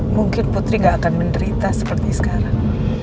mungkin putri gak akan menderita seperti sekarang